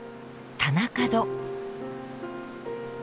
「田中戸」。